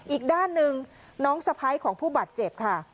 อีกด้านหนึ่งน้องสะพ้ายของผู้บาดเจ็บค่ะ